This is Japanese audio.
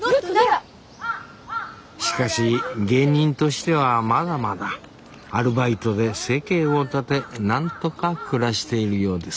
しかし芸人としてはまだまだアルバイトで生計を立てなんとか暮らしているようです